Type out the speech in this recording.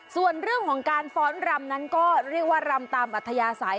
ส่วนเรื่องของการฟ้อนรำนั้นก็เรียกว่ารำตามอัธยาศัย